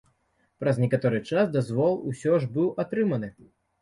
Праз некаторы час дазвол усё ж быў атрыманы.